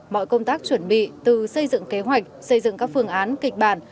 mọi công tác chuẩn bị từ xây dựng kế hoạch xây dựng các phương án kịch bản